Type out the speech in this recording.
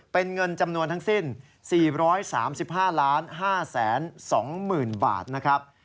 เป็นเงินจำนวนทั้งสิ้น๔๓๕๕๒๐๐๐บาทนะครับ